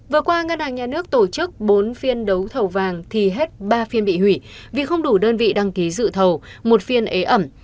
vừa qua ngân hàng nhà nước tổ chức bốn phiên đấu thầu vàng thì hết ba phiên bị hủy vì không đủ đơn vị đăng ký dự thầu một phiên ế ẩm